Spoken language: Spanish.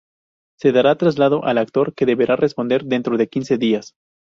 Se dará traslado al actor, que deberá responder dentro de quince días.